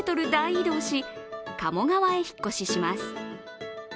移動し鴨川へ引っ越しします。